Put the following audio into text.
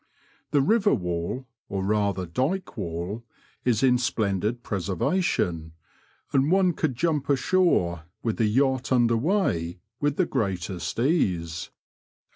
The river wall, or rather dyke wall, is in splendid preservation, and one could jump ashore, with the yacht under weigh, with the greatest ease.